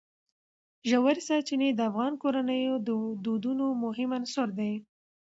ژورې سرچینې د افغان کورنیو د دودونو مهم عنصر دی.